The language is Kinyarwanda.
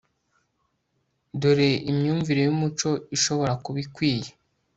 dore imyumvire yumuco ishobora kuba ikwiye